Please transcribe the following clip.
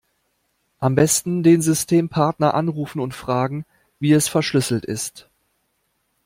Am Besten den Systempartner anrufen und fragen wie es verschlüsselt ist.